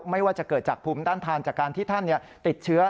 ไม่ว่าจะเกิดจากภูมิต้านทานจากการที่ท่านติดเชื้อ